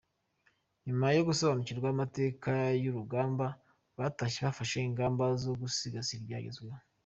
Nyuma yo gusobanurirwa amateka y’urugamba, batashye bafashe ingamba zo gusigasira ibyagezweho.